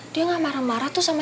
dia gak marah marah tuh sama